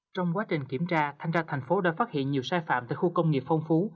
trong quá trình kiểm tra thanh tra tp hcm đã phát hiện nhiều xe phạm tại khu công nghiệp phong phú